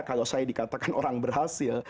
kalau saya dikatakan orang berhasil